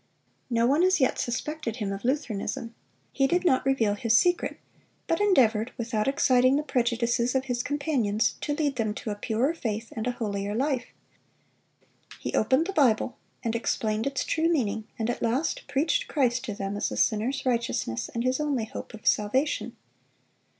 No one as yet suspected him of Lutheranism; he did not reveal his secret, but endeavored, without exciting the prejudices of his companions, to lead them to a purer faith and a holier life. He opened the Bible, and explained its true meaning, and at last preached Christ to them as the sinner's righteousness and his only hope of salvation.